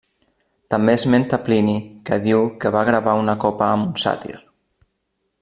També l'esmenta Plini que diu que va gravar una copa amb un sàtir.